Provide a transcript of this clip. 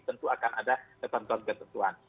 tentu akan ada ketentuan ketentuan